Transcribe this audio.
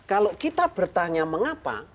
kalau kita bertanya mengapa